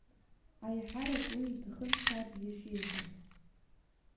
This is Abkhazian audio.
Аиҳарак уи иҭахын саб иашьеиҳаб.